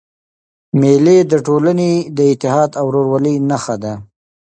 مېلې د ټولني د اتحاد او ورورولۍ نخښه ده.